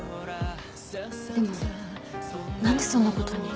でも何でそんなことに。